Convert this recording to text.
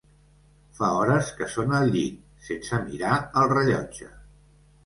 Fa hores que són al llit, sense mirar el rellotge.